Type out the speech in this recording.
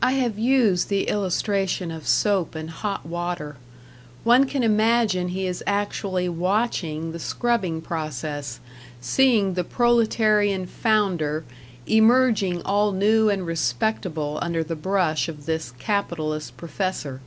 I have used the illustration of soap and hot water; one can imagine he is actually watching the scrubbing process, seeing the proletarian Founder emerging all new and respectable under the brush of this capitalist professor.